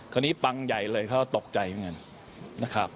คนนี้ปังใหญ่เลยเขาตกใจเลยนะครับ